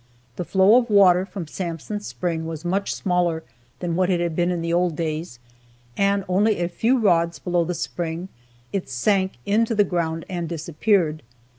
The flow of water from Sansom Spring was much smaller than what it had been in the old days, and only a few rods below the spring it sunk into the ground and disappeared.